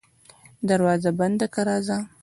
دروازه بنده که راځه.